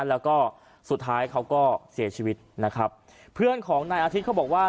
แล้วก็สุดท้ายเขาก็เสียชีวิตนะครับเพื่อนของนายอาทิตย์เขาบอกว่า